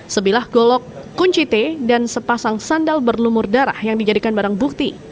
sebilah golok kunci t dan sepasang sandal berlumur darah yang dijadikan barang bukti